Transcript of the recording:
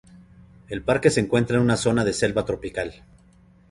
El parque se encuentra en una zona de selva tropical.